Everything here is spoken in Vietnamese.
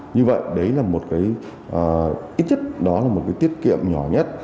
như vậy đấy là một cái ít nhất đó là một cái tiết kiệm nhỏ nhất